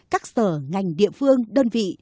các sở ngành địa phương đơn vị